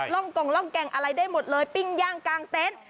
ร่องกงร่องแก่งอะไรได้หมดเลยปิ้งย่างกลางเต็นต์